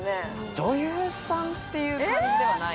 女優さんっていう感じではない。